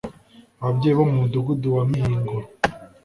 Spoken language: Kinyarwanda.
Ababyeyi bo mu Mudugudu wa Mihingo